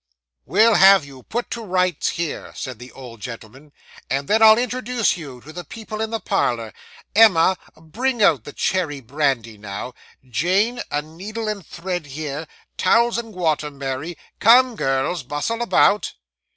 'We'll have you put to rights here,' said the old gentleman, 'and then I'll introduce you to the people in the parlour. Emma, bring out the cherry brandy; now, Jane, a needle and thread here; towels and water, Mary. Come, girls, bustle about.